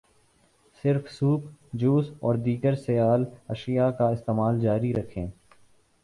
صرف soup, juice, اور دیگر سیال اشیاء کا استعمال جاری رکھیں۔